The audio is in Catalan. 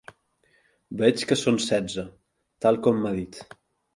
Veig que són setze, tal com m'ha dit.